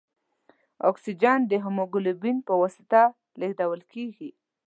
اکسیجن د هیموګلوبین په واسطه لېږدوال کېږي.